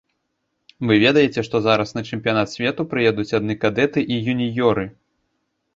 Вы ведаеце, што зараз на чэмпіянат свету паедуць адны кадэты і юніёры?